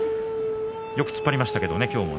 よく突っ張りましたけどもね今日も。